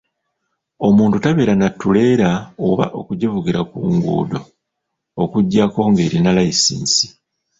Omuntu tabeere na ttuleera oba okugivugira ku nguudo okuggyako ng'erina layisinsi .